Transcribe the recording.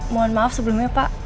mohon maaf sebelumnya pak